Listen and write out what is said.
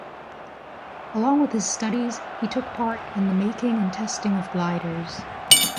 Along with his studies, he took part in the making and testing of gliders.